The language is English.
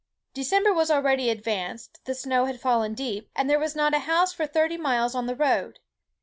December was already advanced, the snow had fallen deep, and there was not a house for thirty miles on the road.